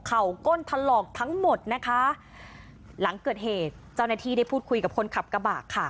ก้นถลอกทั้งหมดนะคะหลังเกิดเหตุเจ้าหน้าที่ได้พูดคุยกับคนขับกระบะค่ะ